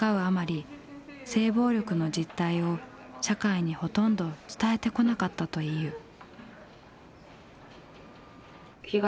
あまり性暴力の実態を社会にほとんど伝えてこなかったという。